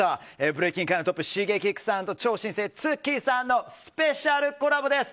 ブレイキン界のトップＳｈｉｇｅｋｉｘさんと超新星、Ｔｓｕｋｋｉさんのスペシャルコラボです。